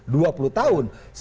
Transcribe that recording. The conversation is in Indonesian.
dua puluh tahun syaratnya